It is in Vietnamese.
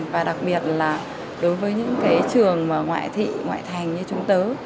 và đặc biệt là đối với những cái trường ngoại thị ngoại thành như trung tớ